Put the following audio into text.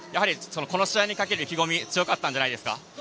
この試合にかける意気込み強かったんじゃないですか？